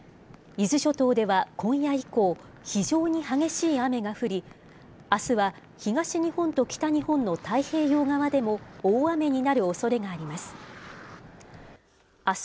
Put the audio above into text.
伊豆諸島では今夜以降、非常に激しい雨が降り、あすは東日本と北日本の太平洋側でも、大雨になるおそれがあります。